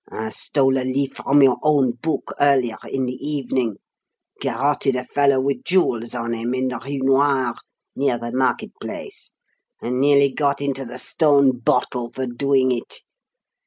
"I stole a leaf from your own book, earlier in the evening. Garotted a fellow with jewels on him in the Rue Noir, near the Market Place and nearly got into 'the stone bottle' for doing it.